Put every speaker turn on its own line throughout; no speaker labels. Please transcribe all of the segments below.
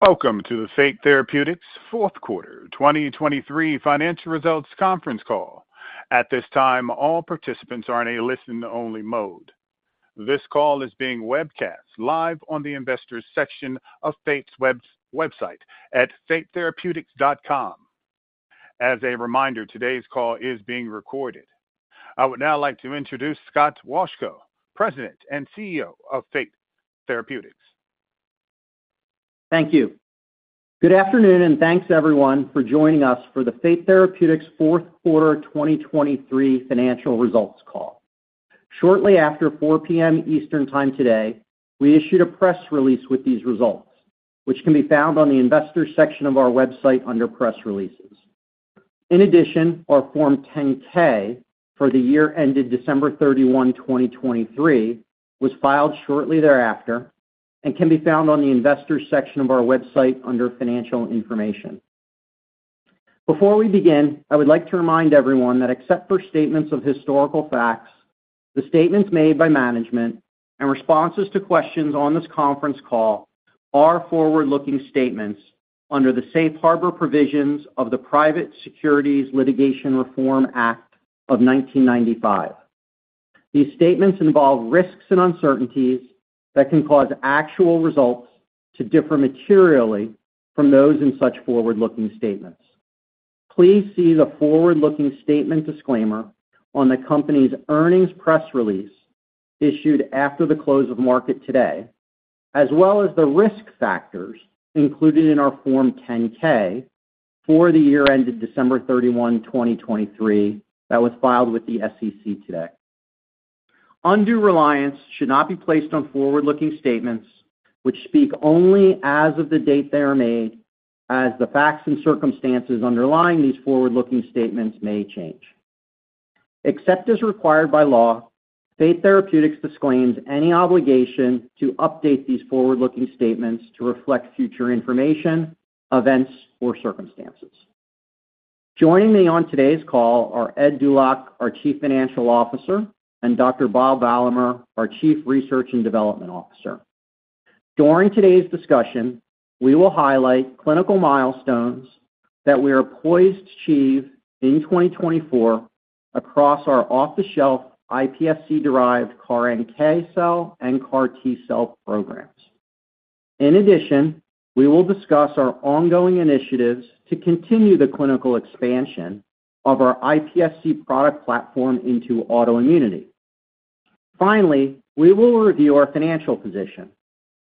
Welcome to the Fate Therapeutics Q4 2023 Financial Results Conference Call. At this time, all participants are in a listen-only mode. This call is being webcast live on the Investors section of Fate's website at fatetherapeutics.com. As a reminder, today's call is being recorded. I would now like to introduce Scott Wolchko, President and CEO of Fate Therapeutics.
Thank you. Good afternoon, and thanks, everyone, for joining us for the Fate Therapeutics Q4 2023 financial results call. Shortly after 4:00 P.M. Eastern Time today, we issued a press release with these results, which can be found on the Investors section of our website under Press Releases. In addition, our Form 10-K for the year ended December 31, 2023, was filed shortly thereafter and can be found on the Investors section of our website under Financial Information. Before we begin, I would like to remind everyone that except for statements of historical facts, the statements made by management and responses to questions on this conference call are forward-looking statements under the Safe Harbor provisions of the Private Securities Litigation Reform Act of 1995. These statements involve risks and uncertainties that can cause actual results to differ materially from those in such forward-looking statements. Please see the forward-looking statement disclaimer on the company's earnings press release issued after the close of market today, as well as the risk factors included in our Form 10-K for the year ended December 31, 2023, that was filed with the SEC today. Undue reliance should not be placed on forward-looking statements which speak only as of the date they are made, as the facts and circumstances underlying these forward-looking statements may change. Except as required by law, Fate Therapeutics disclaims any obligation to update these forward-looking statements to reflect future information, events, or circumstances. Joining me on today's call are Ed Dulac, our Chief Financial Officer, and Dr. Bob Valamehr, our Chief Research and Development Officer. During today's discussion, we will highlight clinical milestones that we are poised to achieve in 2024 across our off-the-shelf iPSC-derived CAR NK cell and CAR T cell programs. In addition, we will discuss our ongoing initiatives to continue the clinical expansion of our iPSC product platform into autoimmunity. Finally, we will review our financial position,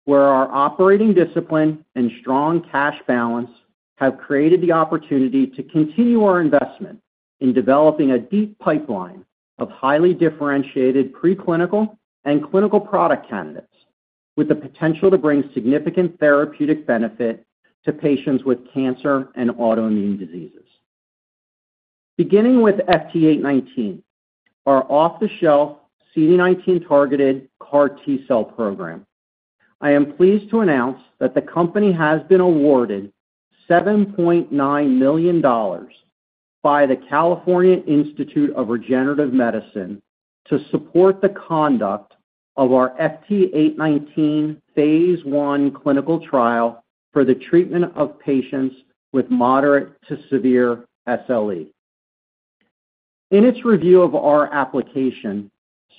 where our operating discipline and strong cash balance have created the opportunity to continue our investment in developing a deep pipeline of highly differentiated preclinical and clinical product candidates with the potential to bring significant therapeutic benefit to patients with cancer and autoimmune diseases. Beginning with FT819, our off-the-shelf CD19-targeted CAR T cell program, I am pleased to announce that the company has been awarded $7.9 million by the California Institute for Regenerative Medicine to support the conduct of our FT819 phase 1 clinical trial for the treatment of patients with moderate to severe SLE. In its review of our application,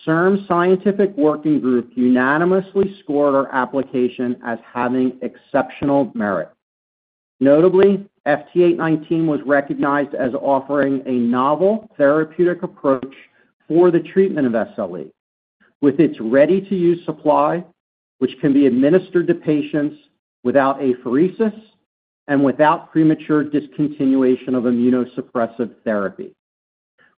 CIRM's scientific working group unanimously scored our application as having exceptional merit. Notably, FT819 was recognized as offering a novel therapeutic approach for the treatment of SLE with its ready-to-use supply, which can be administered to patients without apheresis and without premature discontinuation of immunosuppressive therapy.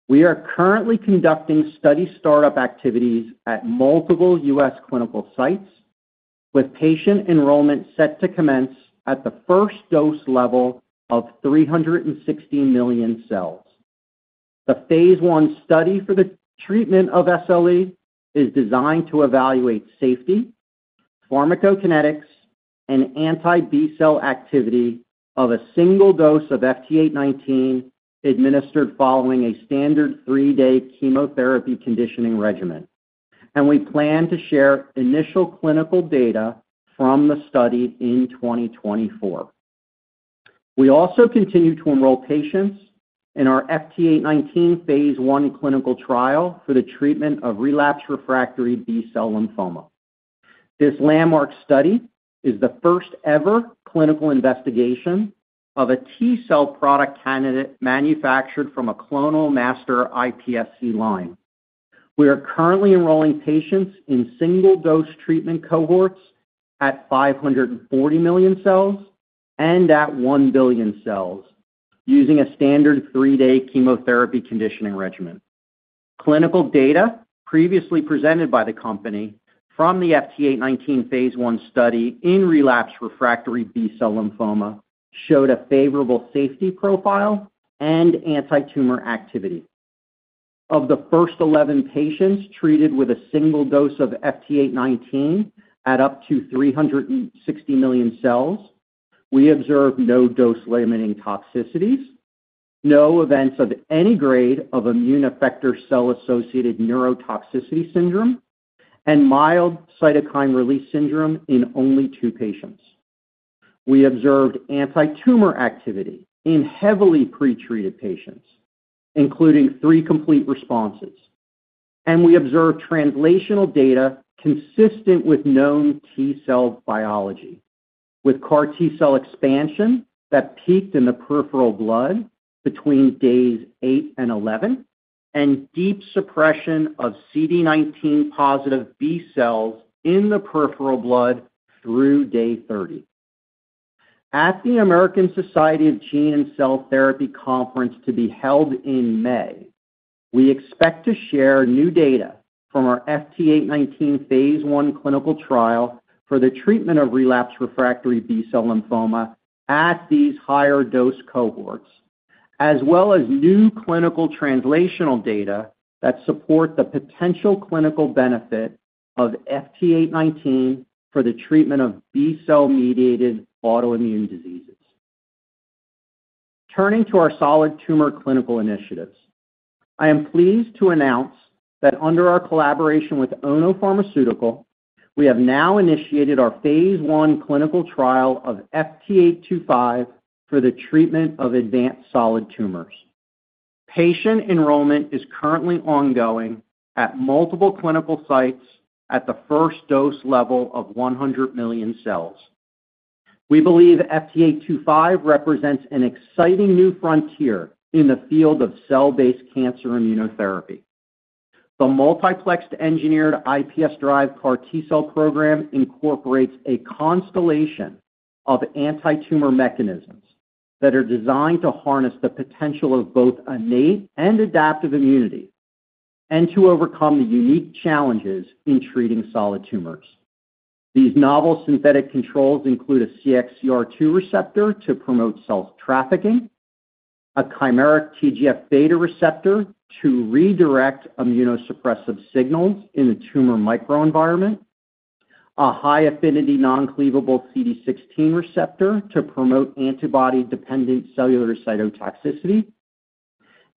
We are currently conducting study startup activities at multiple U.S. clinical sites, with patient enrollment set to commence at the first dose level of 360 million cells. The phase 1 study for the treatment of SLE is designed to evaluate safety, pharmacokinetics, and anti-B-cell activity of a single dose of FT819 administered following a standard three-day chemotherapy conditioning regimen, and we plan to share initial clinical data from the study in 2024. We also continue to enroll patients in our FT819 phase 1 clinical trial for the treatment of relapsed refractory B-cell lymphoma. This landmark study is the first-ever clinical investigation of a T-cell product candidate manufactured from a clonal master iPSC line. We are currently enrolling patients in single-dose treatment cohorts at 540 million cells and at 1 billion cells, using a standard three-day chemotherapy conditioning regimen. Clinical data previously presented by the company from the FT819 phase 1 study in relapsed refractory B-cell lymphoma showed a favorable safety profile and antitumor activity. Of the first 11 patients treated with a single dose of FT819 at up to 360 million cells, we observed no dose-limiting toxicities, no events of any grade of Immune Effector Cell-Associated Neurotoxicity Syndrome, and mild Cytokine Release Syndrome in only 2 patients. We observed antitumor activity in heavily pretreated patients, including three complete responses, and we observed translational data consistent with known T cell biology, with CAR T cell expansion that peaked in the peripheral blood between days eight and 11, and deep suppression of CD19 positive B cells in the peripheral blood through day 30. At the American Society of Gene and Cell Therapy Conference to be held in May, we expect to share new data from our FT819 phase 1 clinical trial for the treatment of relapsed refractory B-cell lymphoma at these higher dose cohorts, as well as new clinical translational data that support the potential clinical benefit of FT819 for the treatment of B-cell-mediated autoimmune diseases. Turning to our solid tumor clinical initiatives, I am pleased to announce that under our collaboration with Ono Pharmaceutical, we have now initiated our phase 1 clinical trial of FT825 for the treatment of advanced solid tumors. Patient enrollment is currently ongoing at multiple clinical sites at the first dose level of 100 million cells. We believe FT825 represents an exciting new frontier in the field of cell-based cancer immunotherapy. The multiplexed engineered iPS-derived CAR T cell program incorporates a constellation of antitumor mechanisms that are designed to harness the potential of both innate and adaptive immunity and to overcome the unique challenges in treating solid tumors. These novel synthetic controls include a CXCR2 receptor to promote cell trafficking, a chimeric TGF-beta receptor to redirect immunosuppressive signals in the tumor microenvironment, a high-affinity, non-cleavable CD16 receptor to promote antibody-dependent cellular cytotoxicity,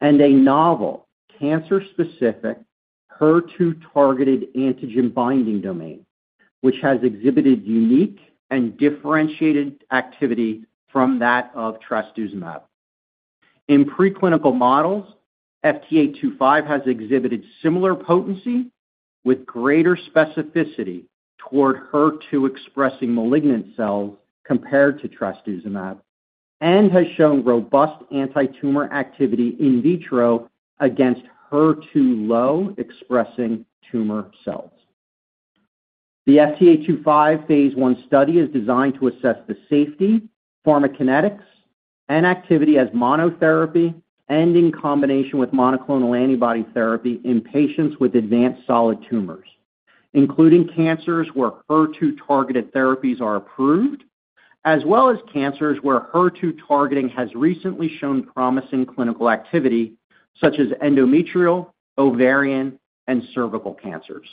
and a novel cancer-specific HER2-targeted antigen binding domain, which has exhibited unique and differentiated activity from that of trastuzumab. In preclinical models, FT825 has exhibited similar potency with greater specificity toward HER2-expressing malignant cells compared to trastuzumab and has shown robust antitumor activity in vitro against HER2 low-expressing tumor cells. The FT825 phase 1 study is designed to assess the safety, pharmacokinetics, and activity as monotherapy and in combination with monoclonal antibody therapy in patients with advanced solid tumors, including cancers where HER2-targeted therapies are approved, as well as cancers where HER2 targeting has recently shown promising clinical activity, such as endometrial, ovarian, and cervical cancers.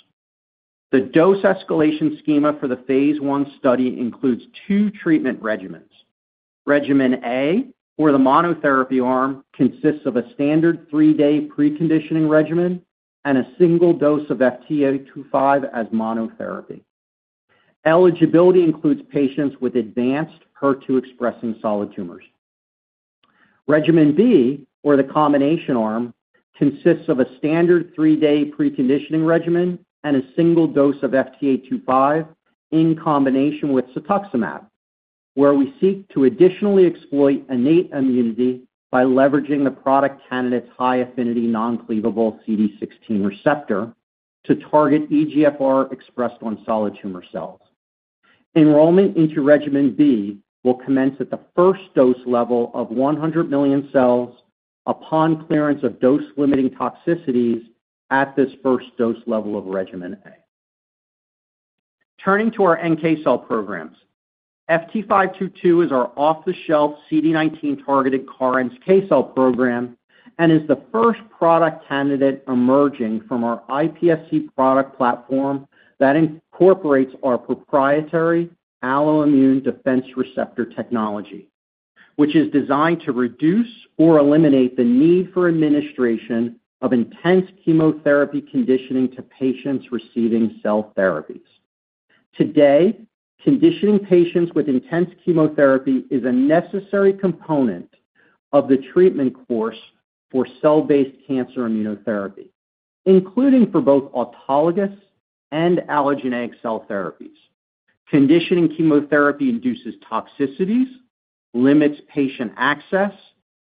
The dose escalation schema for the Phase 1 study includes two treatment regimens. Regimen A, or the monotherapy arm, consists of a standard three-day preconditioning regimen and a single dose of FT825 as monotherapy. Eligibility includes patients with advanced HER2-expressing solid tumors. Regimen B, or the combination arm, consists of a standard three-day preconditioning regimen and a single dose of FT825 in combination with cetuximab, where we seek to additionally exploit innate immunity by leveraging the product candidate's high-affinity, non-cleavable CD16 receptor to target EGFR expressed on solid tumor cells. Enrollment into Regimen B will commence at the first dose level of 100 million cells upon clearance of dose-limiting toxicities at this first dose level of Regimen A. Turning to our NK cell programs, FT522 is our off-the-shelf CD19-targeted CAR NK cell program and is the first product candidate emerging from our iPSC product platform that incorporates our proprietary alloimmune defense receptor technology, which is designed to reduce or eliminate the need for administration of intense chemotherapy conditioning to patients receiving cell therapies. Today, conditioning patients with intense chemotherapy is a necessary component of the treatment course for cell-based cancer immunotherapy, including for both autologous and allogeneic cell therapies. Conditioning chemotherapy induces toxicities, limits patient access,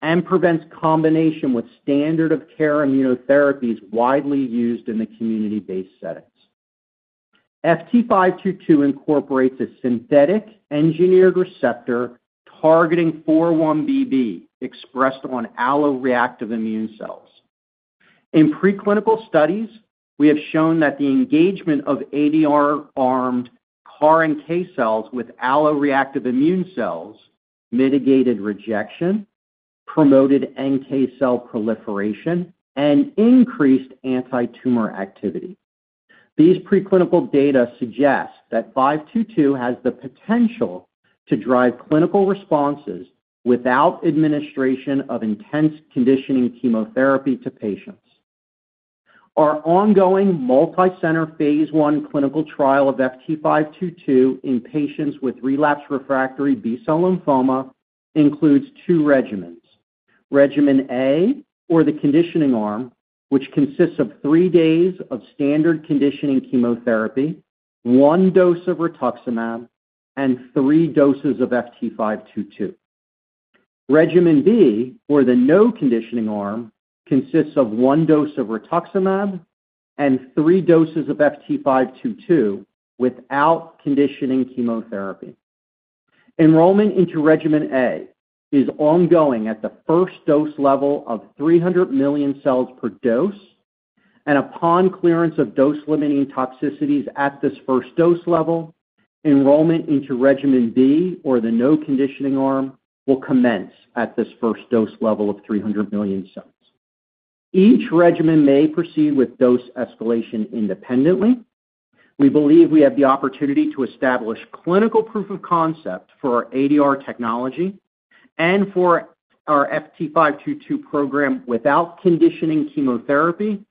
and prevents combination with standard-of-care immunotherapies widely used in the community-based settings. FT522 incorporates a synthetic engineered receptor targeting 4-1BB expressed on alloreactive immune cells. In preclinical studies, we have shown that the engagement of ADR-armed CAR NK cells with alloreactive immune cells mitigated rejection, promoted NK cell proliferation, and increased antitumor activity.... These preclinical data suggest that FT522 has the potential to drive clinical responses without administration of intense conditioning chemotherapy to patients. Our ongoing multicenter phase I clinical trial of FT522 in patients with relapsed refractory B-cell lymphoma includes two regimens: regimen A, or the conditioning arm, which consists of three days of standard conditioning chemotherapy, one dose of rituximab, and three doses of FT522. Regimen B, or the no-conditioning arm, consists of one dose of rituximab and three doses of FT522 without conditioning chemotherapy. Enrollment into regimen A is ongoing at the first dose level of 300 million cells per dose, and upon clearance of dose-limiting toxicities at this first dose level, enrollment into regimen B, or the no-conditioning arm, will commence at this first dose level of 300 million cells. Each regimen may proceed with dose escalation independently. We believe we have the opportunity to establish clinical proof of concept for our ADR technology and for our FT522 program without conditioning chemotherapy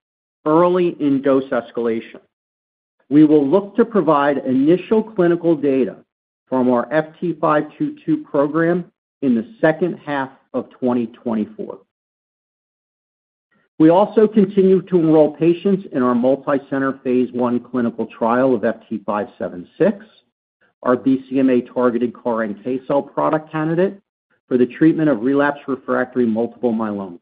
early in dose escalation. We will look to provide initial clinical data from our FT522 program in the second half of 2024. We also continue to enroll patients in our multicenter phase 1 clinical trial of FT576, our BCMA-targeted CAR NK cell product candidate for the treatment of relapsed refractory multiple myeloma.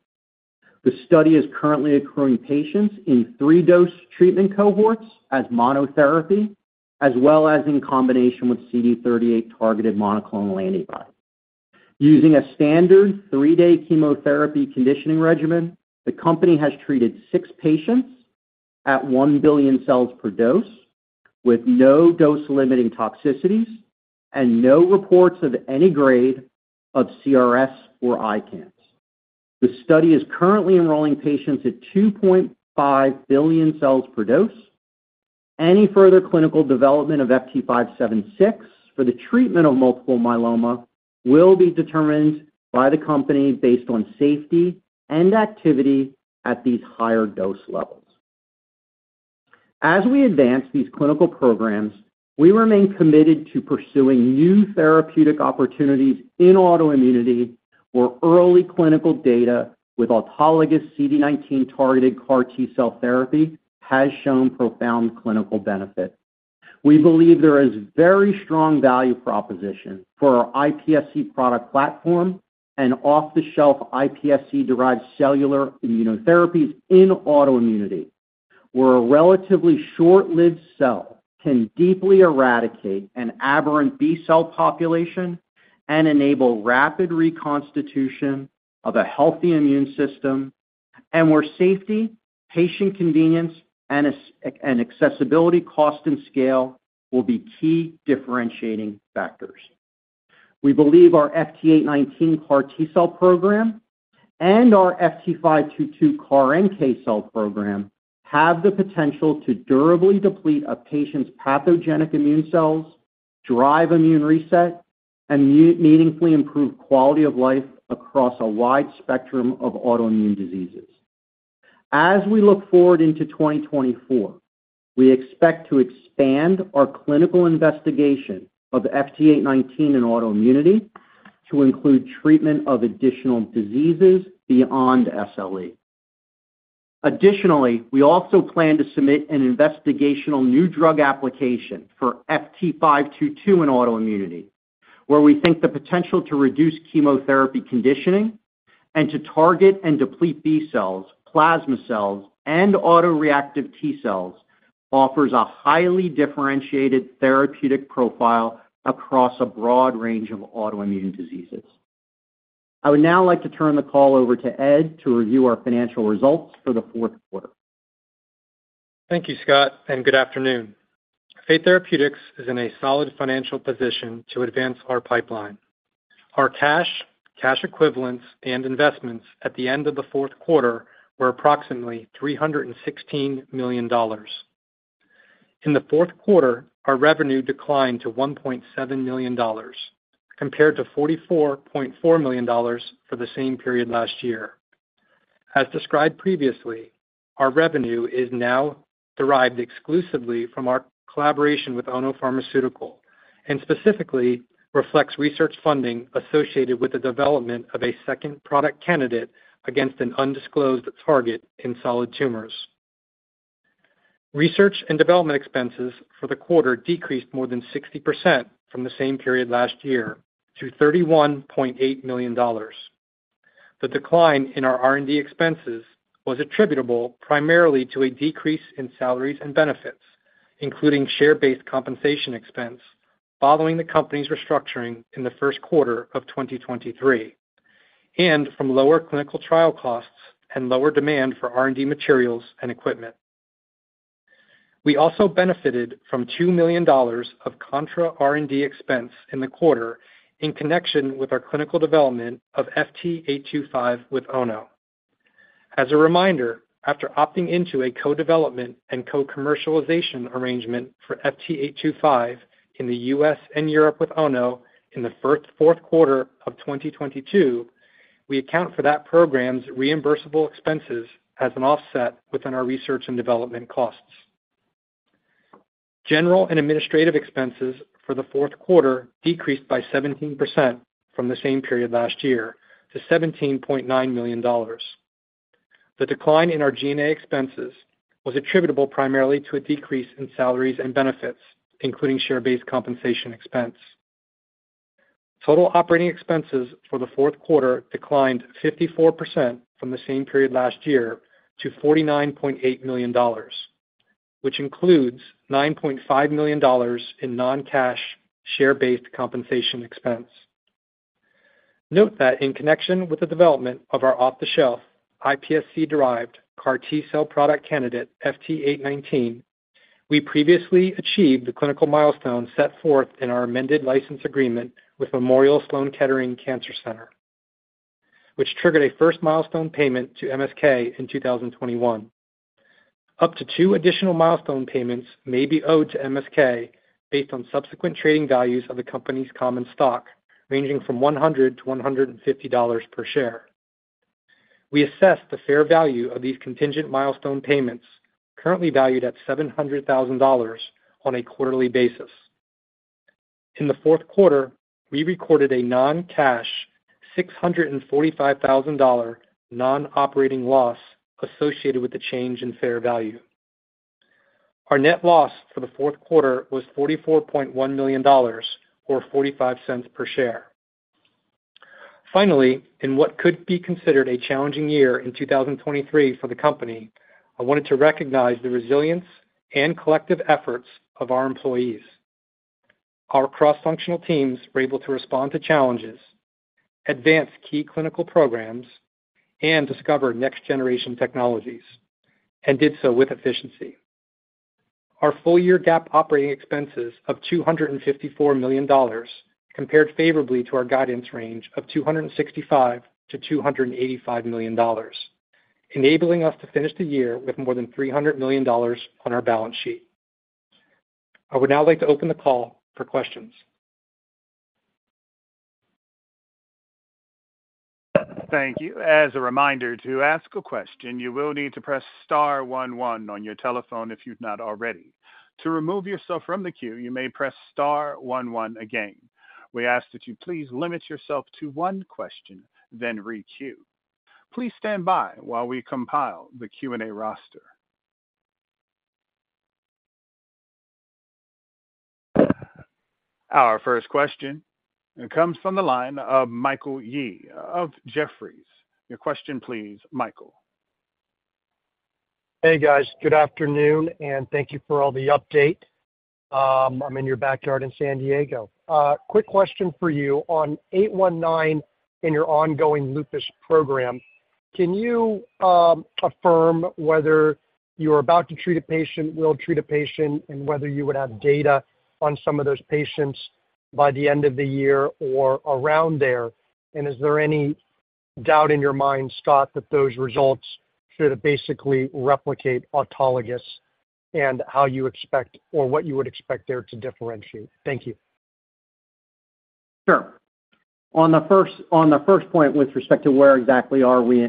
The study is currently accruing patients in 3 dose treatment cohorts as monotherapy, as well as in combination with CD38-targeted monoclonal antibody. Using a standard 3-day chemotherapy conditioning regimen, the company has treated 6 patients at 1 billion cells per dose, with no dose-limiting toxicities and no reports of any grade of CRS or ICANS. The study is currently enrolling patients at 2.5 billion cells per dose. Any further clinical development of FT576 for the treatment of multiple myeloma will be determined by the company based on safety and activity at these higher dose levels. As we advance these clinical programs, we remain committed to pursuing new therapeutic opportunities in autoimmunity, where early clinical data with autologous CD19-targeted CAR T-cell therapy has shown profound clinical benefit. We believe there is very strong value proposition for our iPSC product platform and off-the-shelf iPSC-derived cellular immunotherapies in autoimmunity, where a relatively short-lived cell can deeply eradicate an aberrant B-cell population and enable rapid reconstitution of a healthy immune system, and where safety, patient convenience, and accessibility, cost, and scale will be key differentiating factors. We believe our FT819 CAR T-cell program and our FT522 CAR NK cell program have the potential to durably deplete a patient's pathogenic immune cells, drive immune reset, and meaningfully improve quality of life across a wide spectrum of autoimmune diseases. As we look forward into 2024, we expect to expand our clinical investigation of FT819 in autoimmunity to include treatment of additional diseases beyond SLE. Additionally, we also plan to submit an Investigational New Drug application for FT522 in autoimmunity, where we think the potential to reduce chemotherapy conditioning and to target and deplete B cells, plasma cells, and autoreactive T cells offers a highly differentiated therapeutic profile across a broad range of autoimmune diseases. I would now like to turn the call over to Ed to review our financial results for the Q4.
Thank you, Scott, and good afternoon. Fate Therapeutics is in a solid financial position to advance our pipeline. Our cash, cash equivalents, and investments at the end of the Q4 were approximately $316 million. In the Q4, our revenue declined to $1.7 million, compared to $44.4 million for the same period last year. As described previously, our revenue is now derived exclusively from our collaboration with Ono Pharmaceutical, and specifically reflects research funding associated with the development of a second product candidate against an undisclosed target in solid tumors. Research and development expenses for the quarter decreased more than 60% from the same period last year to $31.8 million. The decline in our R&D expenses was attributable primarily to a decrease in salaries and benefits, including share-based compensation expense, following the company's restructuring in the Q1 of 2023, and from lower clinical trial costs and lower demand for R&D materials and equipment. We also benefited from $2 million of contra R&D expense in the quarter in connection with our clinical development of FT825 with Ono. As a reminder, after opting into a co-development and co-commercialization arrangement for FT825 in the US and Europe with Ono in the Q4 of 2022, we account for that program's reimbursable expenses as an offset within our research and development costs. General and administrative expenses for the Q4 decreased by 17% from the same period last year to $17.9 million. The decline in our G&A expenses was attributable primarily to a decrease in salaries and benefits, including share-based compensation expense. Total operating expenses for the Q4 declined 54% from the same period last year to $49.8 million, which includes $9.5 million in non-cash share-based compensation expense. Note that in connection with the development of our off-the-shelf iPSC-derived CAR T-cell product candidate, FT819, we previously achieved the clinical milestone set forth in our amended license agreement with Memorial Sloan Kettering Cancer Center, which triggered a first milestone payment to MSK in 2021. Up to two additional milestone payments may be owed to MSK based on subsequent trading values of the company's common stock, ranging from $100-$150 per share. We assess the fair value of these contingent milestone payments, currently valued at $700,000, on a quarterly basis. In the Q4, we recorded a non-cash $645,000 non-operating loss associated with the change in fair value. Our net loss for the Q4 was $44.1 million, or $0.45 per share. Finally, in what could be considered a challenging year in 2023 for the company, I wanted to recognize the resilience and collective efforts of our employees. Our cross-functional teams were able to respond to challenges, advance key clinical programs, and discover next-generation technologies, and did so with efficiency. Our full-year GAAP operating expenses of $254 million compared favorably to our guidance range of $265 million-$285 million, enabling us to finish the year with more than $300 million on our balance sheet. I would now like to open the call for questions.
Thank you. As a reminder, to ask a question, you will need to press star one one on your telephone if you've not already. To remove yourself from the queue, you may press star one one again. We ask that you please limit yourself to one question, then re-queue. Please stand by while we compile the Q&A roster. Our first question comes from the line of Michael Yee of Jefferies. Your question, please, Michael.
Hey, guys. Good afternoon, and thank you for all the update. I'm in your backyard in San Diego. Quick question for you. On FT819 in your ongoing lupus program, can you affirm whether you're about to treat a patient, will treat a patient, and whether you would have data on some of those patients by the end of the year or around there? And is there any doubt in your mind, Scott, that those results should basically replicate autologous and how you expect or what you would expect there to differentiate? Thank you.
Sure. On the first, on the first point, with respect to where exactly are we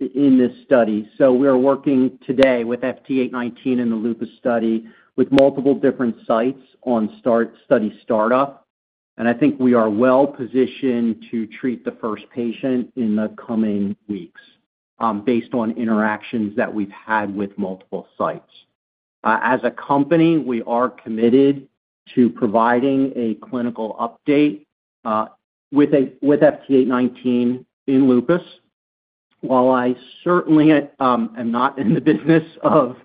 in this study? So we are working today with FT819 in the lupus study with multiple different sites on study startup, and I think we are well positioned to treat the first patient in the coming weeks, based on interactions that we've had with multiple sites. As a company, we are committed to providing a clinical update with FT819 in lupus. While I certainly am not in the business of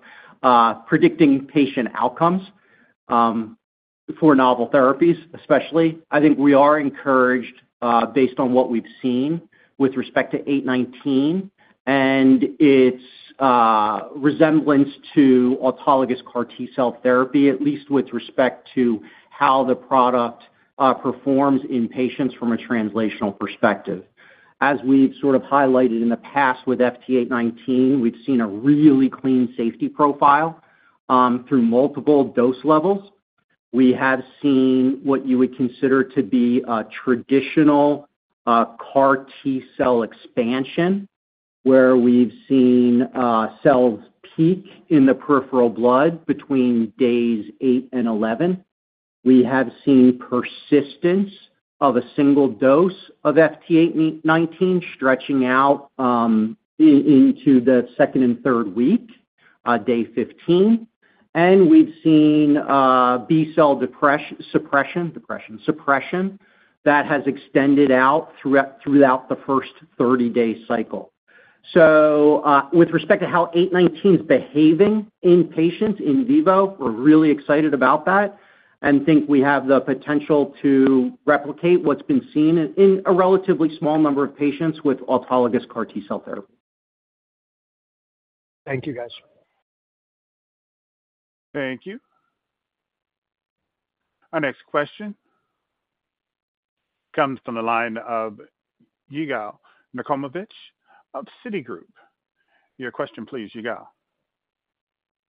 predicting patient outcomes for novel therapies, especially, I think we are encouraged based on what we've seen with respect to 819 and its resemblance to autologous CAR T-cell therapy, at least with respect to how the product performs in patients from a translational perspective. As we've sort of highlighted in the past with FT819, we've seen a really clean safety profile through multiple dose levels. We have seen what you would consider to be a traditional CAR T-cell expansion, where we've seen cells peak in the peripheral blood between days 8 and 11. We have seen persistence of a single dose of FT819, stretching out into the 2nd and 3rd week, day 15, and we've seen B-cell suppression that has extended out throughout the first 30-day cycle. So, with respect to how 819's behaving in patients in vivo, we're really excited about that and think we have the potential to replicate what's been seen in a relatively small number of patients with autologous CAR T-cell therapy.
Thank you, guys. ...
Thank you. Our next question comes from the line of Igor Milosavljevic of Citigroup. Your question please, Igor.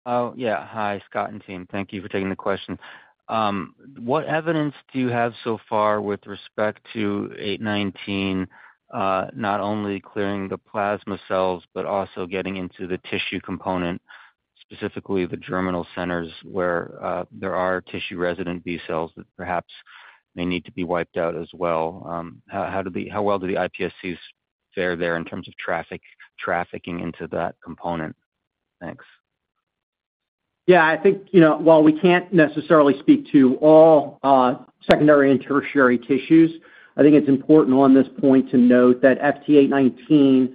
Oh, yeah. Hi, Scott and team. Thank you for taking the question. What evidence do you have so far with respect to FT819, not only clearing the plasma cells, but also getting into the tissue component, specifically the germinal centers, where there are tissue-resident B cells that perhaps may need to be wiped out as well? How well do the iPSCs fare there in terms of trafficking into that component? Thanks.
Yeah, I think, you know, while we can't necessarily speak to all secondary and tertiary tissues, I think it's important on this point to note that FT819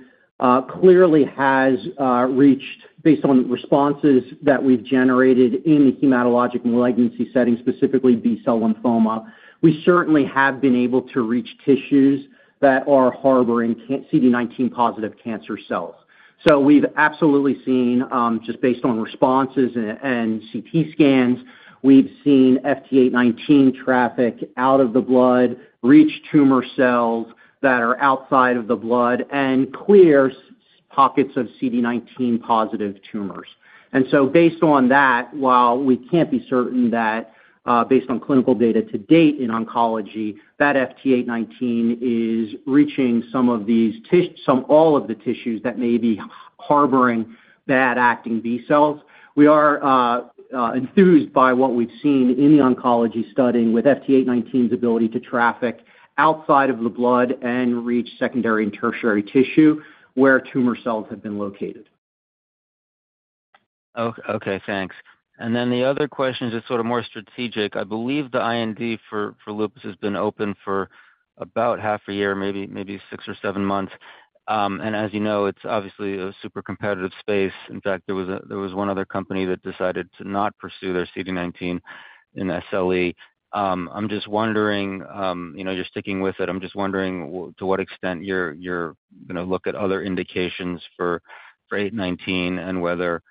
clearly has reached based on responses that we've generated in the hematologic malignancy setting, specifically B-cell lymphoma. We certainly have been able to reach tissues that are harboring CD19 positive cancer cells. So we've absolutely seen, just based on responses and CT scans, we've seen FT819 traffic out of the blood, reach tumor cells that are outside of the blood and clear pockets of CD19 positive tumors. Based on that, while we can't be certain that, based on clinical data to date in oncology, that FT819 is reaching some of these tissues that may be harboring bad acting B-cells, we are enthused by what we've seen in the oncology setting with FT819's ability to traffic outside of the blood and reach secondary and tertiary tissue where tumor cells have been located.
Oh, okay, thanks. Then the other question is just sort of more strategic. I believe the IND for lupus has been open for about half a year, maybe six or seven months. And as you know, it's obviously a super competitive space. In fact, there was one other company that decided to not pursue their CD19 in SLE. I'm just wondering, you know, you're sticking with it. I'm just wondering to what extent you're, you know, look at other indications for eight-nineteen and whether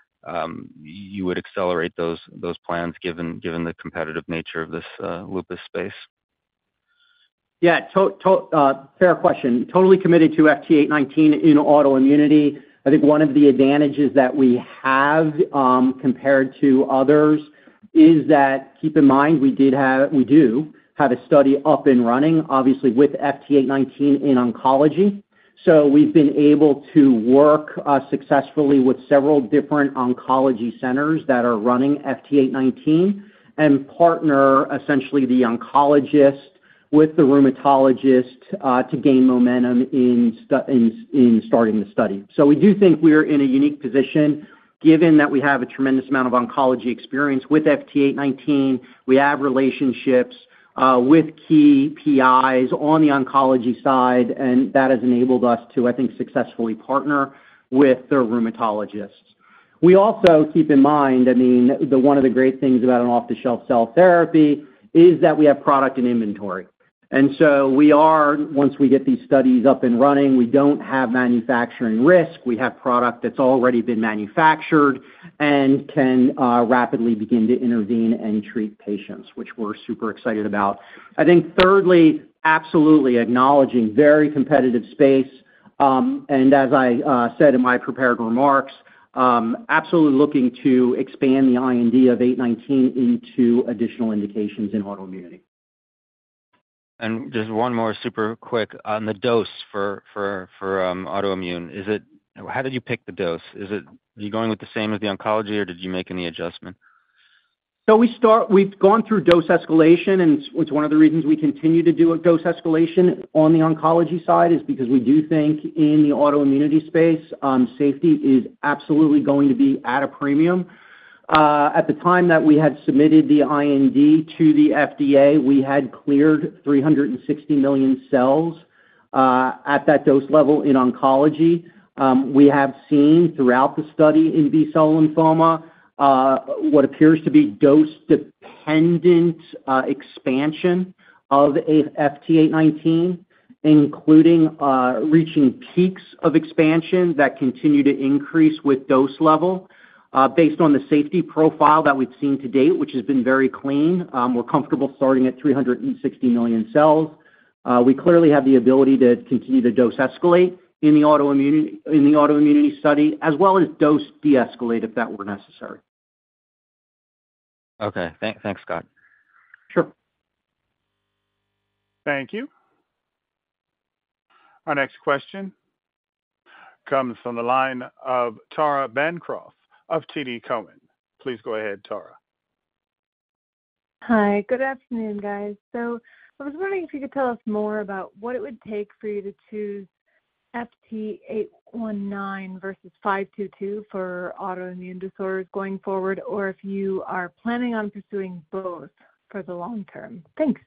you would accelerate those plans, given the competitive nature of this lupus space.
Yeah, fair question. Totally committed to FT819 in autoimmunity. I think one of the advantages that we have, compared to others is that, keep in mind, we do have a study up and running, obviously with FT819 in oncology. So we've been able to work, successfully with several different oncology centers that are running FT819 and partner, essentially, the oncologist with the rheumatologist, to gain momentum in starting the study. So we do think we are in a unique position, given that we have a tremendous amount of oncology experience with FT819. We have relationships, with key PIs on the oncology side, and that has enabled us to, I think, successfully partner with the rheumatologists. We also keep in mind, I mean, the one of the great things about an off-the-shelf cell therapy is that we have product and inventory, and so we are, once we get these studies up and running, we don't have manufacturing risk. We have product that's already been manufactured and can rapidly begin to intervene and treat patients, which we're super excited about. I think thirdly, absolutely acknowledging very competitive space, and as I said in my prepared remarks, absolutely looking to expand the IND of 819 into additional indications in autoimmunity.
Just one more super quick on the dose for autoimmune. Is it... How did you pick the dose? Is it, are you going with the same as the oncology, or did you make any adjustment?
So we've gone through dose escalation, and it's one of the reasons we continue to do a dose escalation on the oncology side, is because we do think in the autoimmunity space, safety is absolutely going to be at a premium. At the time that we had submitted the IND to the FDA, we had cleared 360 million cells at that dose level in oncology. We have seen throughout the study in B-cell lymphoma what appears to be dose-dependent expansion of FT819, including reaching peaks of expansion that continue to increase with dose level. Based on the safety profile that we've seen to date, which has been very clean, we're comfortable starting at 360 million cells. We clearly have the ability to continue to dose escalate in the autoimmune, in the autoimmunity study, as well as dose deescalate, if that were necessary.
Okay. Thanks, Scott.
Sure.
Thank you. Our next question comes from the line of Tara Bancroft of TD Cowen. Please go ahead, Tara.
Hi, good afternoon, guys. I was wondering if you could tell us more about what it would take for you to choose FT819 versus FT522 for autoimmune disorders going forward, or if you are planning on pursuing both for the long term? Thanks.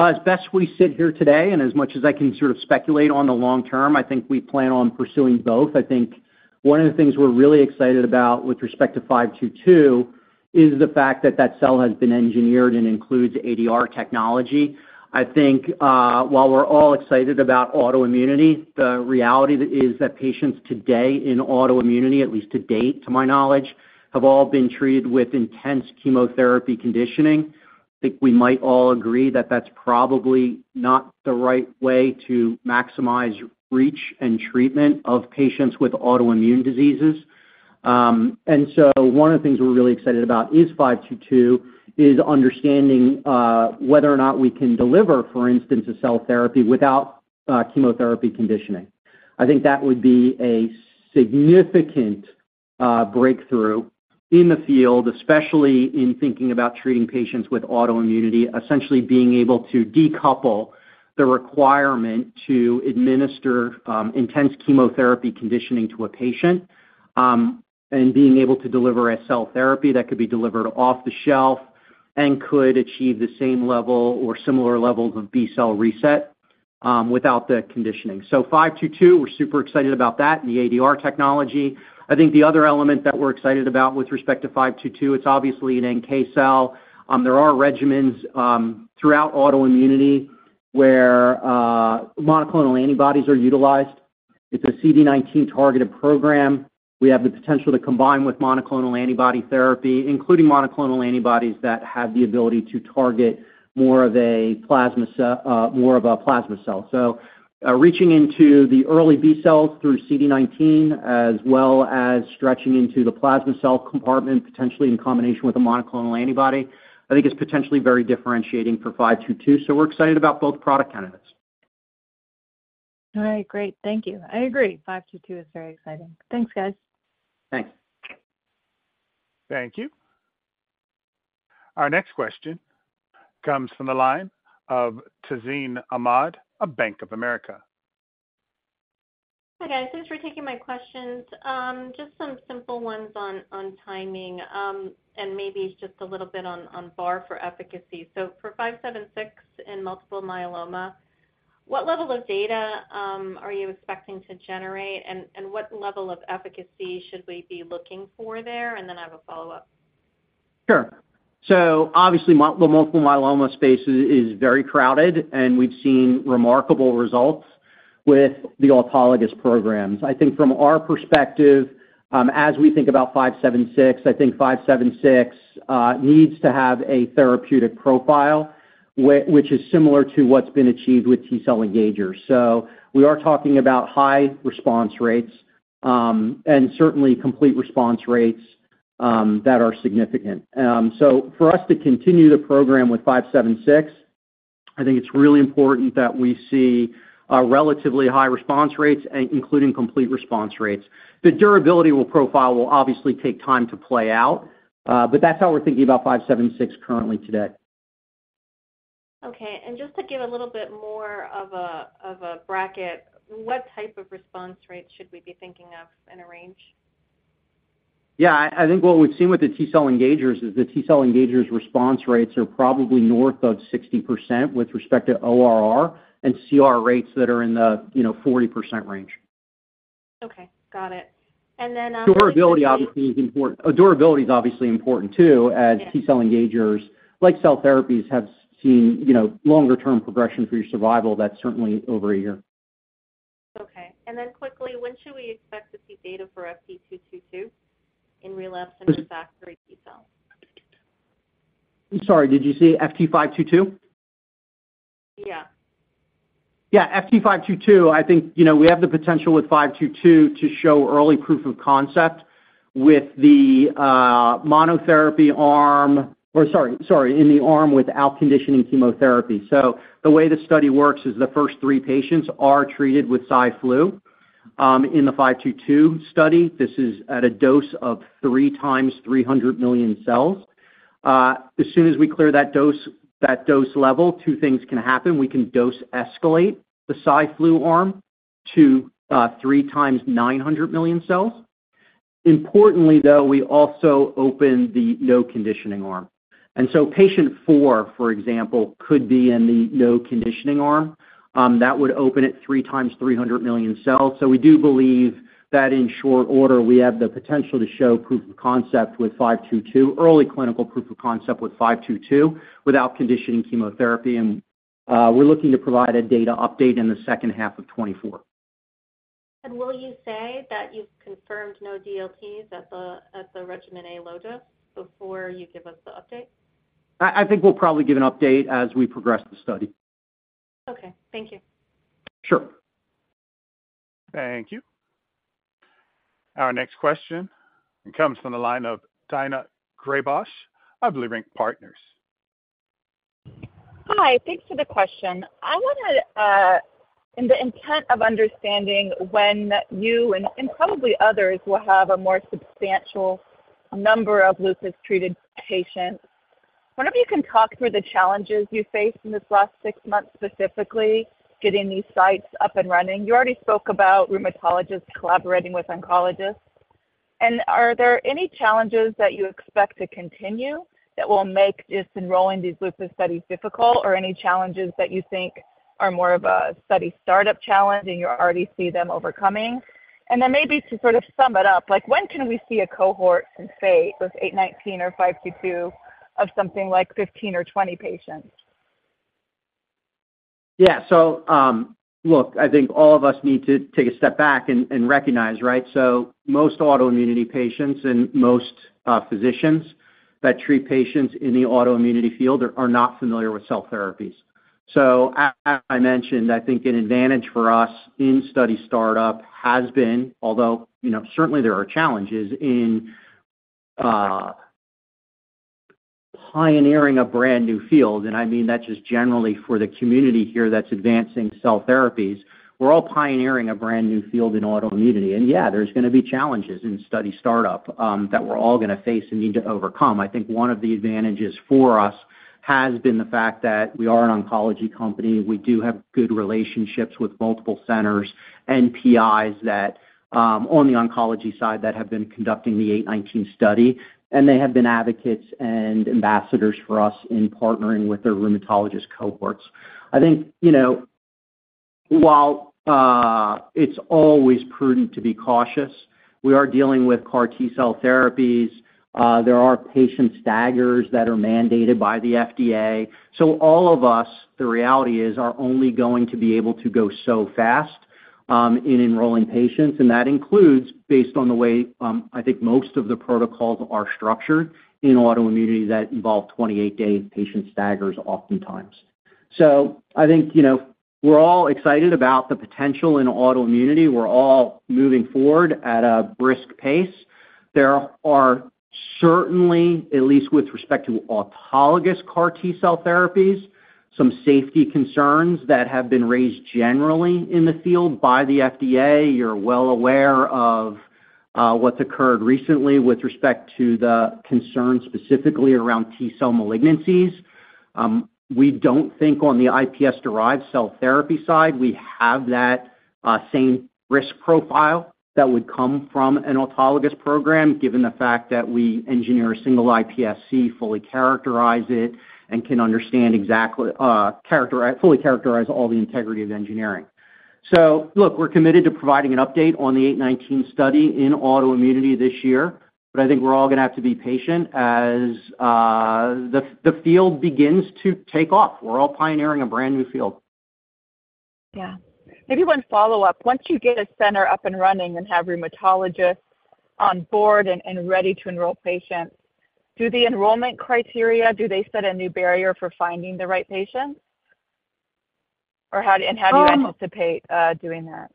As best we sit here today, and as much as I can sort of speculate on the long term, I think we plan on pursuing both. I think one of the things we're really excited about with respect to FT522 is the fact that that cell has been engineered and includes ADR technology. I think, while we're all excited about autoimmunity, the reality is that patients today in autoimmunity, at least to date, to my knowledge, have all been treated with intense chemotherapy conditioning. I think we might all agree that that's probably not the right way to maximize reach and treatment of patients with autoimmune diseases. And so one of the things we're really excited about is FT522, is understanding, whether or not we can deliver, for instance, a cell therapy without chemotherapy conditioning. I think that would be a significant breakthrough in the field, especially in thinking about treating patients with autoimmunity, essentially being able to decouple the requirement to administer intense chemotherapy conditioning to a patient and being able to deliver a cell therapy that could be delivered off the shelf and could achieve the same level or similar levels of B-cell reset without the conditioning. So FT522, we're super excited about that and the ADR technology. I think the other element that we're excited about with respect to FT522, it's obviously an NK cell. There are regimens throughout autoimmunity, where monoclonal antibodies are utilized. It's a CD19 targeted program. We have the potential to combine with monoclonal antibody therapy, including monoclonal antibodies that have the ability to target more of a plasma cell, more of a plasma cell. Reaching into the early B cells through CD19, as well as stretching into the plasma cell compartment, potentially in combination with a monoclonal antibody, I think is potentially very differentiating for FT522, so we're excited about both product candidates.
All right, great. Thank you. I agree, FT522 is very exciting. Thanks, guys.
Thanks.
Thank you. Our next question comes from the line of Tazeen Ahmad of Bank of America.
Hi, guys. Thanks for taking my questions. Just some simple ones on timing, and maybe just a little bit on bar for efficacy. So for FT576 in multiple myeloma, what level of data are you expecting to generate? And what level of efficacy should we be looking for there? And then I have a follow-up.
Sure. So obviously, the multiple myeloma space is very crowded, and we've seen remarkable results with the autologous programs. I think from our perspective, as we think about FT576, I think FT576 needs to have a therapeutic profile, which is similar to what's been achieved with T-cell engagers. So we are talking about high response rates, and certainly complete response rates that are significant. So for us to continue the program with FT576, I think it's really important that we see relatively high response rates, including complete response rates. The durability profile will obviously take time to play out, but that's how we're thinking about FT576 currently today.
Okay, and just to give a little bit more of a bracket, what type of response rate should we be thinking of in a range?
Yeah, I think what we've seen with the T-cell engagers is the T-cell engagers response rates are probably north of 60% with respect to ORR, and CR rates that are in the, you know, 40% range.
Okay, got it. And then,
Durability, obviously, is important. Durability is obviously important, too, as T-cell engagers, like cell therapies, have seen, you know, longer term progression-free survival, that's certainly over a year.
Okay. And then quickly, when should we expect to see data for FT222 in relapsed and refractory T-cell?
I'm sorry, did you say FT522?
Yeah.
Yeah, FT522, I think, you know, we have the potential with 522 to show early proof of concept with the monotherapy arm. Or sorry, sorry, in the arm without conditioning chemotherapy. So the way the study works is the first 3 patients are treated with Cyflu in the 522 study. This is at a dose of 3 times 300 million cells. As soon as we clear that dose, that dose level, two things can happen. We can dose escalate the Cyflu arm to 3 times 900 million cells. Importantly, though, we also open the no conditioning arm. And so patient 4, for example, could be in the no conditioning arm. That would open at 3 times 300 million cells. So we do believe that in short order, we have the potential to show proof of concept with FT522, early clinical proof of concept with FT522, without conditioning chemotherapy, and we're looking to provide a data update in the second half of 2024.
Will you say that you've confirmed no DLTs at the regimen A low dose before you give us the update?
I think we'll probably give an update as we progress the study.
Okay, thank you.
Sure.
Thank you. Our next question comes from the line of Daina Graybosch of Leerink Partners.
Hi, thanks for the question. I wanted, in the intent of understanding when you and, and probably others will have a more substantial number of lupus-treated patients, wonder if you can talk through the challenges you faced in this last six months, specifically getting these sites up and running. You already spoke about rheumatologists collaborating with oncologists. Are there any challenges that you expect to continue that will make just enrolling these lupus studies difficult, or any challenges that you think are more of a study startup challenge, and you already see them overcoming? And then maybe to sort of sum it up, like, when can we see a cohort in, say, with FT819 or FT522 of something like 15 or 20 patients?
Yeah. So, look, I think all of us need to take a step back and recognize, right? So most autoimmunity patients and most physicians that treat patients in the autoimmunity field are not familiar with cell therapies. So as I mentioned, I think an advantage for us in study startup has been, although, you know, certainly there are challenges in pioneering a brand new field, and I mean that just generally for the community here that's advancing cell therapies. We're all pioneering a brand new field in autoimmunity, and yeah, there's gonna be challenges in study startup that we're all gonna face and need to overcome. I think one of the advantages for us has been the fact that we are an oncology company. We do have good relationships with multiple centers and PIs that on the oncology side that have been conducting the eight-nineteen study, and they have been advocates and ambassadors for us in partnering with their rheumatologist cohorts. I think, you know, while it's always prudent to be cautious, we are dealing with CAR T-cell therapies, there are patient staggers that are mandated by the FDA. So all of us, the reality is, are only going to be able to go so fast in enrolling patients, and that includes based on the way I think most of the protocols are structured in autoimmunity that involve 28-day patient staggers oftentimes. So I think, you know, we're all excited about the potential in autoimmunity. We're all moving forward at a brisk pace. There are certainly, at least with respect to autologous CAR T-cell therapies, some safety concerns that have been raised generally in the field by the FDA. You're well aware of what's occurred recently with respect to the concerns specifically around T-cell malignancies. We don't think on the iPS-derived cell therapy side, we have that same risk profile that would come from an autologous program, given the fact that we engineer a single iPSC, fully characterize it, and can understand exactly fully characterize all the integrity of the engineering. So look, we're committed to providing an update on the eight-nineteen study in autoimmunity this year, but I think we're all gonna have to be patient as the field begins to take off. We're all pioneering a brand new field.
Yeah. Maybe one follow-up. Once you get a center up and running and have rheumatologists on board and ready to enroll patients, do the enrollment criteria, do they set a new barrier for finding the right patients? Or how and how do you anticipate doing that?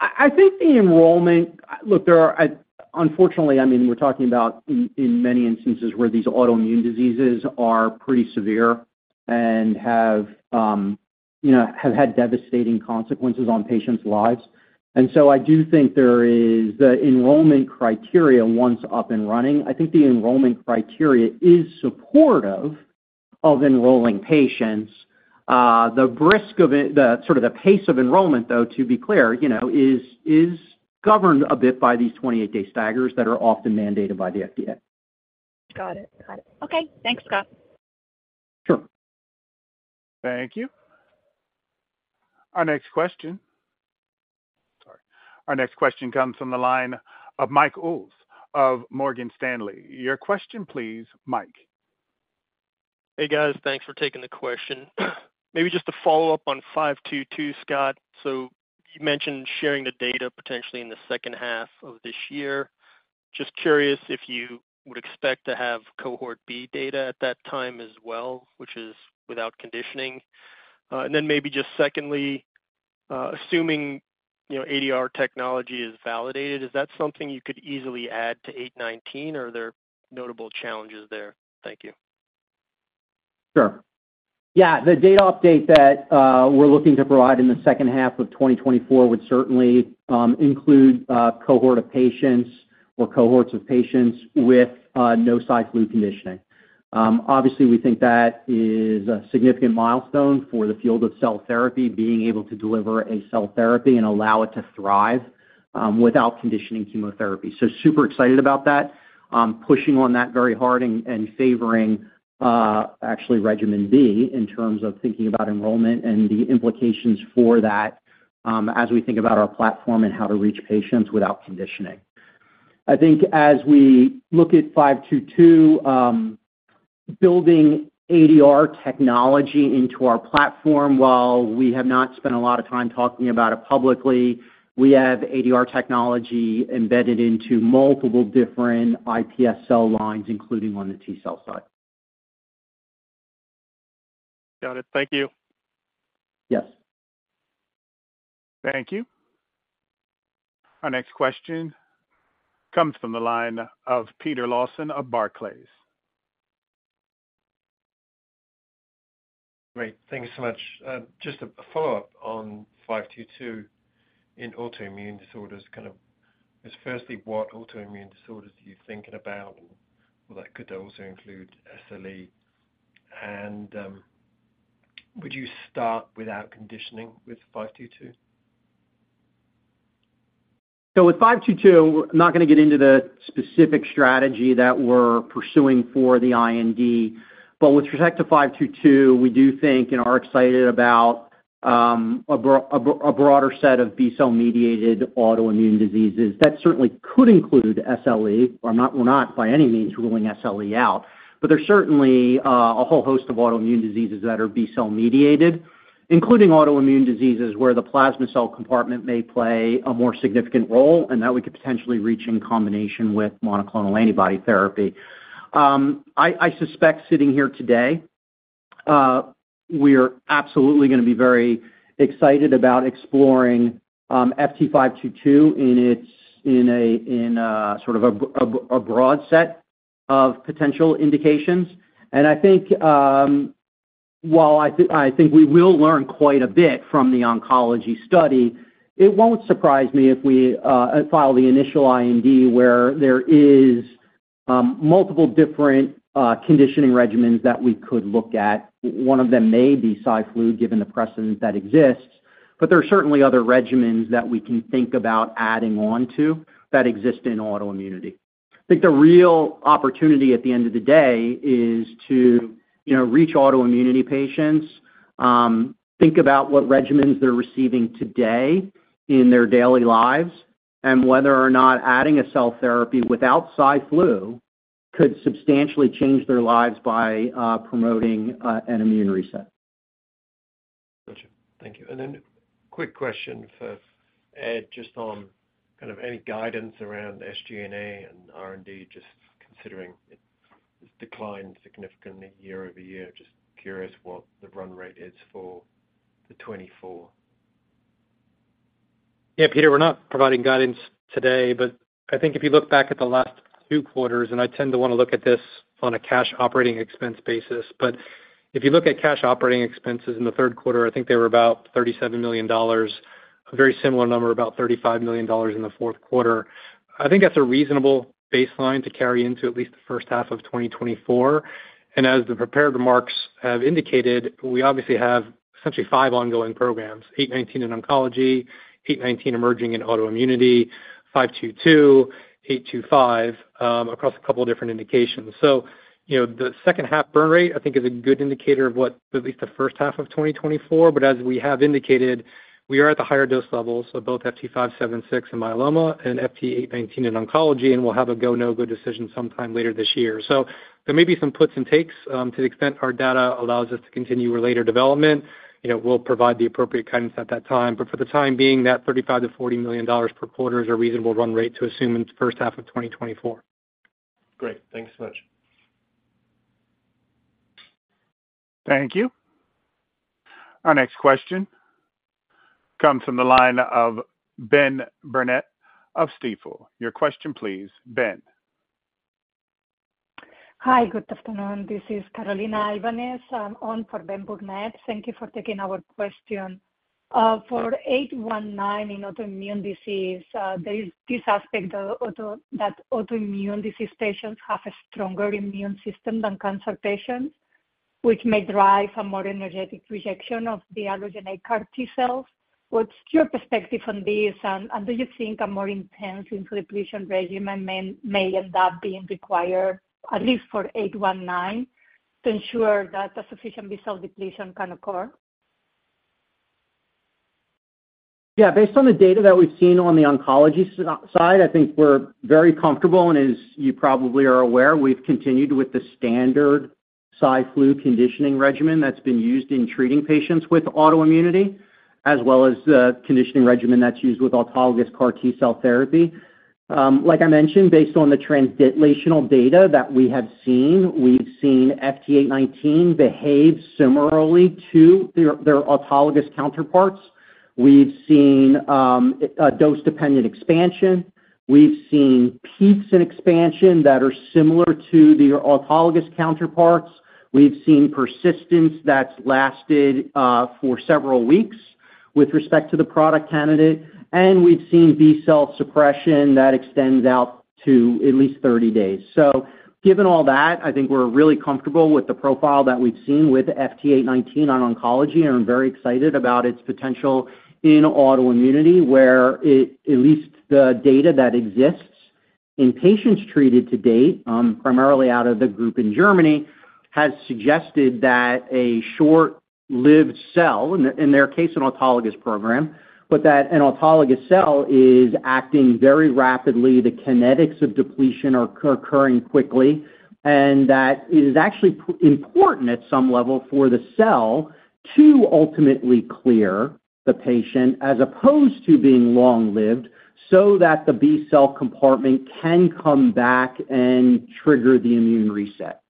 I think the enrollment... Look, there are, unfortunately, I mean, we're talking about in, in many instances where these autoimmune diseases are pretty severe and have, you know, have had devastating consequences on patients' lives. And so I do think there is, the enrollment criteria, once up and running, I think the enrollment criteria is supportive of enrolling patients. The brisk of it, the sort of the pace of enrollment, though, to be clear, you know, is, is governed a bit by these 28-day staggers that are often mandated by the FDA.
Got it. Got it. Okay. Thanks, Scott.
Sure.
Thank you. Our next question, sorry. Our next question comes from the line of Mike Ulz of Morgan Stanley. Your question, please, Mike.
Hey, guys. Thanks for taking the question. Maybe just to follow up on FT522, Scott. So you mentioned sharing the data potentially in the second half of this year. Just curious if you would expect to have cohort B data at that time as well, which is without conditioning. And then maybe just secondly, assuming, you know, ADR technology is validated, is that something you could easily add to FT819, or are there notable challenges there? Thank you.
Sure. Yeah, the data update that we're looking to provide in the second half of 2024 would certainly include a cohort of patients or cohorts of patients with no Cyflu conditioning. Obviously, we think that is a significant milestone for the field of cell therapy, being able to deliver a cell therapy and allow it to thrive without conditioning chemotherapy. So super excited about that, pushing on that very hard and favoring actually regimen B in terms of thinking about enrollment and the implications for that, as we think about our platform and how to reach patients without conditioning. I think as we look at FT522, building ADR technology into our platform, while we have not spent a lot of time talking about it publicly, we have ADR technology embedded into multiple different iPS cell lines, including on the T-cell side.
Got it. Thank you.
Yes.
Thank you. Our next question comes from the line of Peter Lawson of Barclays.
Great. Thank you so much. Just a follow-up on FT522 in autoimmune disorders, kind of. Is firstly, what autoimmune disorders are you thinking about? Well, that could also include SLE. Would you start without conditioning with FT522?
So with FT522, I'm not gonna get into the specific strategy that we're pursuing for the IND, but with respect to FT522, we do think and are excited about a broader set of B-cell-mediated autoimmune diseases. That certainly could include SLE. We're not, we're not by any means ruling SLE out, but there's certainly a whole host of autoimmune diseases that are B-cell mediated, including autoimmune diseases where the plasma cell compartment may play a more significant role, and that we could potentially reach in combination with monoclonal antibody therapy. I suspect sitting here today, we're absolutely gonna be very excited about exploring FT522 in a sort of a broad set of potential indications. I think, while I think we will learn quite a bit from the oncology study, it won't surprise me if we file the initial IND, where there is multiple different conditioning regimens that we could look at. One of them may be Cyflu, given the precedent that exists, but there are certainly other regimens that we can think about adding on to that exist in autoimmunity. I think the real opportunity at the end of the day is to, you know, reach autoimmunity patients, think about what regimens they're receiving today in their daily lives, and whether or not adding a cell therapy without Cyflu could substantially change their lives by promoting an immune reset.
Gotcha. Thank you. And then quick question for Ed, just on kind of any guidance around SG&A and R&D, just curious what the run rate is for 2024?
Yeah, Peter, we're not providing guidance today, but I think if you look back at the last two quarters, and I tend to want to look at this on a cash operating expense basis, but if you look at cash operating expenses in the Q3, I think they were about $37 million, a very similar number, about $35 million in the Q4. I think that's a reasonable baseline to carry into at least the first half of 2024. And as the prepared remarks have indicated, we obviously have essentially five ongoing programs, FT819 in oncology, FT819 emerging in autoimmunity, FT522, FT825, across a couple different indications. So, you know, the second half burn rate, I think is a good indicator of what at least the first half of 2024. But as we have indicated, we are at the higher dose levels, so both FT576 and myeloma and FT819 in oncology, and we'll have a go, no-go decision sometime later this year. So there may be some puts and takes, to the extent our data allows us to continue related development, you know, we'll provide the appropriate guidance at that time. But for the time being, that $35 million-$40 million per quarter is a reasonable run rate to assume in the first half of 2024.
Great. Thanks so much.
Thank you. Our next question comes from the line of Ben Burnett of Stifel. Your question, please, Ben.
Hi, good afternoon. This is Carolina Ibanez. I'm on for Ben Burnett. Thank you for taking our question. For FT819 in autoimmune disease, there is this aspect of the fact that autoimmune disease patients have a stronger immune system than cancer patients, which may drive a more energetic rejection of the allogeneic CAR T-cells. What's your perspective on this, and do you think a more intense depletion regimen may end up being required, at least for FT819, to ensure that a sufficient B-cell depletion can occur?
Yeah, based on the data that we've seen on the oncology side, I think we're very comfortable, and as you probably are aware, we've continued with the standard Cyflu conditioning regimen that's been used in treating patients with autoimmunity, as well as the conditioning regimen that's used with autologous CAR T-cell therapy. Like I mentioned, based on the translational data that we have seen, we've seen FT819 behave similarly to their, their autologous counterparts. We've seen a dose-dependent expansion. We've seen peaks in expansion that are similar to the autologous counterparts. We've seen persistence that's lasted for several weeks with respect to the product candidate, and we've seen B-cell suppression that extends out to at least 30 days. So given all that, I think we're really comfortable with the profile that we've seen with FT819 on oncology, and I'm very excited about its potential in autoimmunity, where it—at least the data that exists in patients treated to date, primarily out of the group in Germany—has suggested that a short-lived cell, in their case, an autologous program, but that an autologous cell is acting very rapidly, the kinetics of depletion are occurring quickly, and that it is actually important at some level for the cell to ultimately clear the patient as opposed to being long-lived, so that the B-cell compartment can come back and trigger the immune reset.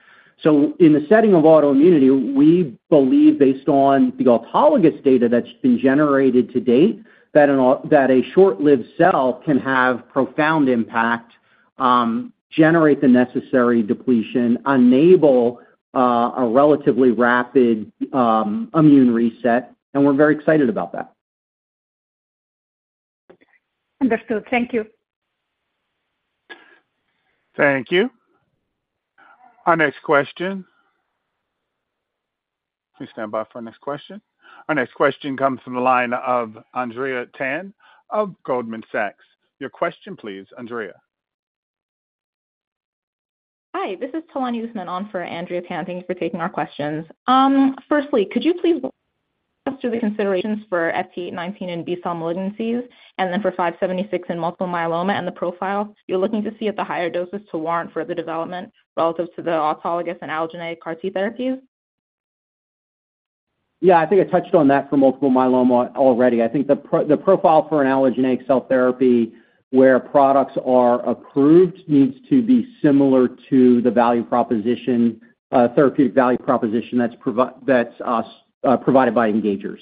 So in the setting of autoimmunity, we believe, based on the autologous data that's been generated to date, that a short-lived cell can have profound impact, generate the necessary depletion, enable a relatively rapid immune reset, and we're very excited about that.
Understood. Thank you.
Thank you. Our next question... Please stand by for our next question. Our next question comes from the line of Andrea Tan of Goldman Sachs. Your question, please, Andrea?
Hi, this is Talani Usman on for Andrea Tan. Thank you for taking our questions. Firstly, could you please go through the considerations for FT819 and B cell malignancies, and then for FT576 in multiple myeloma and the profile you're looking to see at the higher doses to warrant further development relative to the autologous and allogeneic CAR T therapies?
Yeah, I think I touched on that for multiple myeloma already. I think the profile for an allogeneic cell therapy, where products are approved, needs to be similar to the value proposition, therapeutic value proposition that's provided by engagers.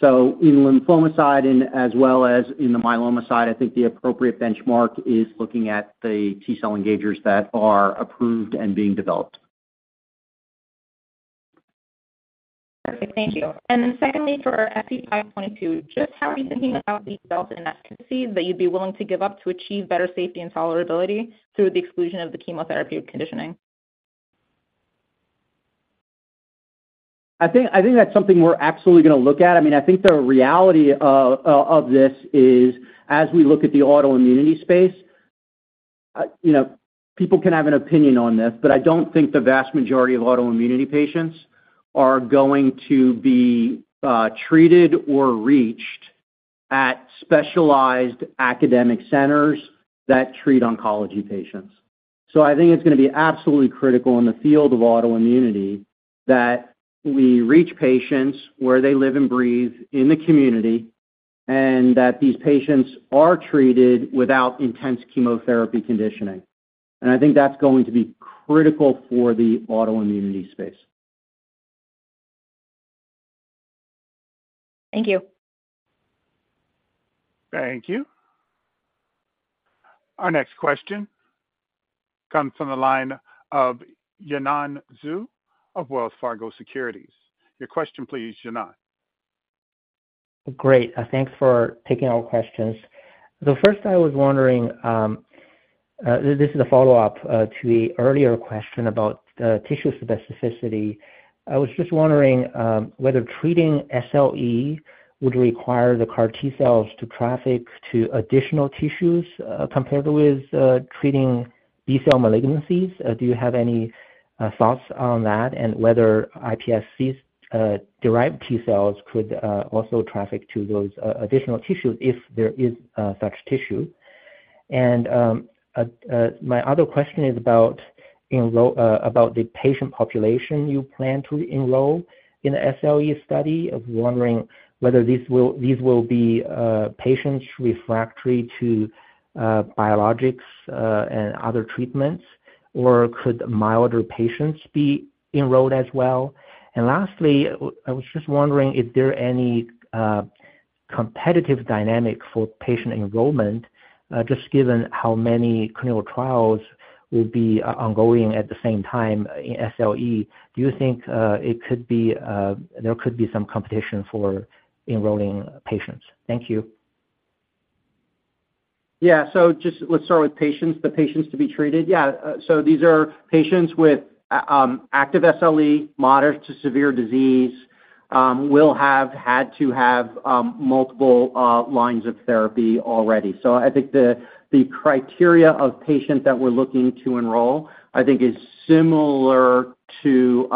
So in the lymphoma side and as well as in the myeloma side, I think the appropriate benchmark is looking at the T-cell engagers that are approved and being developed.
Perfect. Thank you. And then secondly, for FT522, just how are you thinking about the efficacy that you'd be willing to give up to achieve better safety and tolerability through the exclusion of the chemotherapy conditioning?
I think, I think that's something we're absolutely going to look at. I mean, I think the reality of this is as we look at the autoimmunity space, you know, people can have an opinion on this, but I don't think the vast majority of autoimmunity patients are going to be treated or reached at specialized academic centers that treat oncology patients. So I think it's gonna be absolutely critical in the field of autoimmunity that we reach patients where they live and breathe in the community, and that these patients are treated without intense chemotherapy conditioning. And I think that's going to be critical for the autoimmunity space.
Thank you.
Thank you. Our next question comes from the line of Yanan Zhu of Wells Fargo Securities. Your question, please, Yanan.
Great. Thanks for taking our questions. So first, I was wondering, this is a follow-up to the earlier question about tissue specificity. I was just wondering whether treating SLE would require the CAR T cells to traffic to additional tissues compared with treating B-cell malignancies. Do you have any thoughts on that, and whether iPSC-derived T cells could also traffic to those additional tissues if there is such tissue? And my other question is about the patient population you plan to enroll in the SLE study. I was wondering whether these will be patients refractory to biologics and other treatments, or could milder patients be enrolled as well? Lastly, I was just wondering if there are any competitive dynamics for patient enrollment, just given how many clinical trials will be ongoing at the same time in SLE. Do you think it could be, there could be some competition for enrolling patients? Thank you.
Yeah. So just let's start with patients, the patients to be treated. Yeah, so these are patients with a active SLE, moderate to severe disease, will have had to have multiple lines of therapy already. So I think the, the criteria of patients that we're looking to enroll, I think is similar to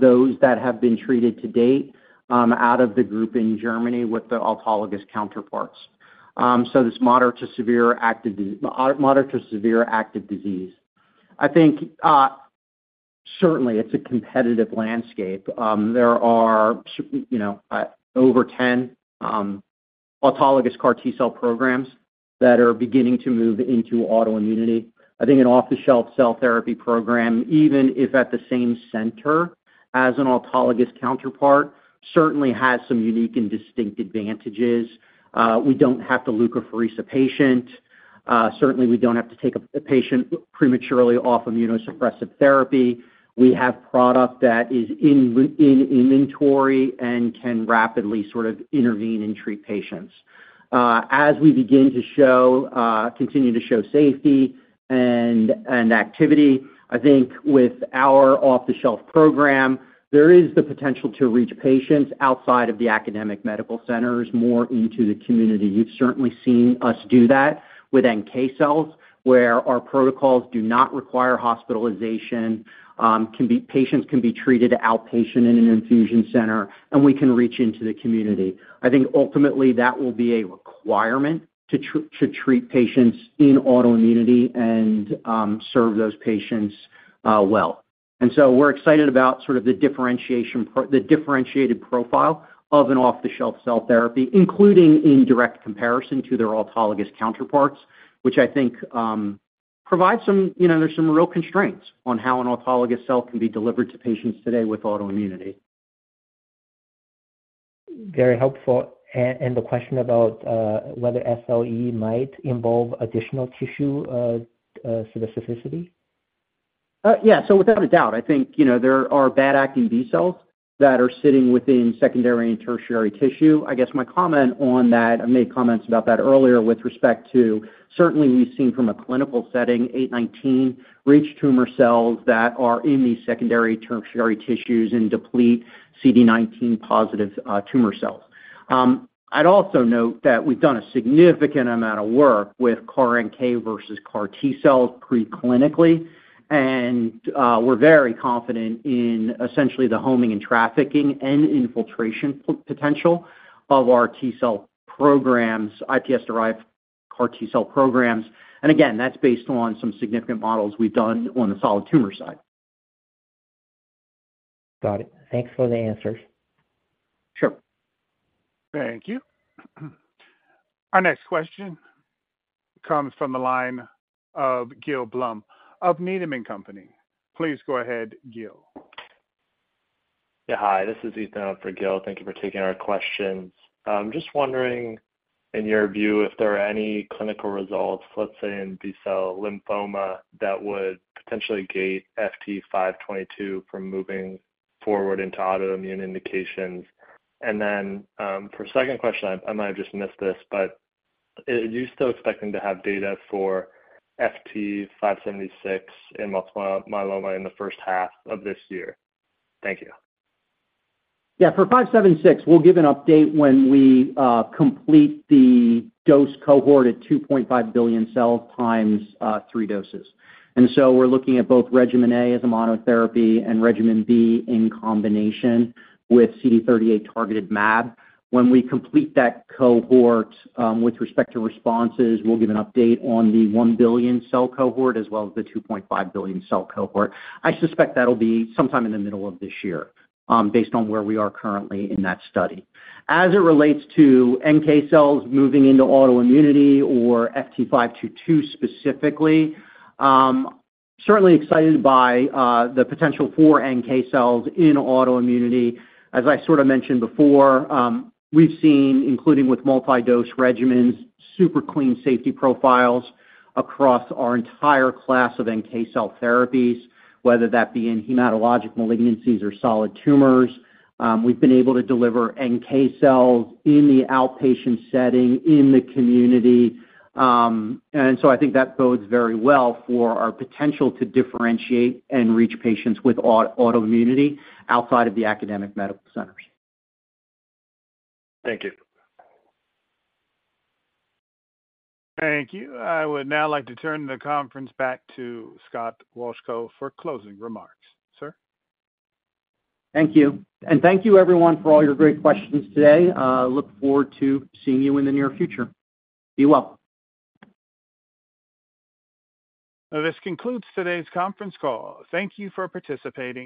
those that have been treated to date, out of the group in Germany with the autologous counterparts. So this moderate to severe active disease. I think, certainly it's a competitive landscape. There are, you know, over 10 autologous CAR T cell programs that are beginning to move into autoimmunity. I think an off-the-shelf cell therapy program, even if at the same center as an autologous counterpart, certainly has some unique and distinct advantages. We don't have to leukapheresis a patient. Certainly, we don't have to take a patient prematurely off immunosuppressive therapy. We have product that is in inventory and can rapidly sort of intervene and treat patients. As we begin to show continue to show safety and activity, I think with our off-the-shelf program, there is the potential to reach patients outside of the academic medical centers, more into the community. You've certainly seen us do that with NK cells, where our protocols do not require hospitalization, patients can be treated outpatient in an infusion center, and we can reach into the community. I think ultimately that will be a requirement to treat patients in autoimmunity and serve those patients well. And so we're excited about sort of the differentiation the differentiated profile of an off-the-shelf cell therapy, including in direct comparison to their autologous counterparts, which I think, provides some... You know, there's some real constraints on how an autologous cell can be delivered to patients today with autoimmunity.
Very helpful. And the question about whether SLE might involve additional tissue specificity?
Yeah, so without a doubt, I think, you know, there are bad acting B cells that are sitting within secondary and tertiary tissue. I guess my comment on that, I made comments about that earlier with respect to certainly we've seen from a clinical setting, 819 reach tumor cells that are in these secondary, tertiary tissues and deplete CD19 positive tumor cells. I'd also note that we've done a significant amount of work with CAR NK versus CAR T cells preclinically, and we're very confident in essentially the homing and trafficking and infiltration potential of our T cell programs, iPSC-derived CAR T cell programs. And again, that's based on some significant models we've done on the solid tumor side.
Got it. Thanks for the answers.
Sure.
Thank you. Our next question comes from the line of Gil Blum of Needham and Company. Please go ahead, Gil.
Yeah, hi, this is Ethan for Gil. Thank you for taking our questions. I'm just wondering, in your view, if there are any clinical results, let's say, in B-cell lymphoma, that would potentially gate FT522 from moving forward into autoimmune indications? And then, for second question, I might have just missed this, but are you still expecting to have data for FT576 in multiple myeloma in the first half of this year? Thank you.
Yeah, for FT576, we'll give an update when we complete the dose cohort at 2.5 billion cells times 3 doses. So we're looking at both regimen A as a monotherapy and regimen B in combination with CD38-targeted mAb. When we complete that cohort, with respect to responses, we'll give an update on the 1 billion cell cohort as well as the 2.5 billion cell cohort. I suspect that'll be sometime in the middle of this year, based on where we are currently in that study. As it relates to NK cells moving into autoimmunity or FT522 specifically, certainly excited by the potential for NK cells in autoimmunity. As I sort of mentioned before, we've seen, including with multi-dose regimens, super clean safety profiles across our entire class of NK cell therapies, whether that be in hematologic malignancies or solid tumors. We've been able to deliver NK cells in the outpatient setting in the community, and so I think that bodes very well for our potential to differentiate and reach patients with autoimmunity outside of the academic medical centers.
Thank you.
Thank you. I would now like to turn the conference back to Scott Wolchko for closing remarks. Sir?
Thank you. Thank you everyone for all your great questions today. Look forward to seeing you in the near future. Be well.
This concludes today's conference call. Thank you for participating.